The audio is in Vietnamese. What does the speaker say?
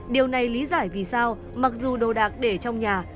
điều này lý giải vì sao mặc dù đồ đạc để trong nhà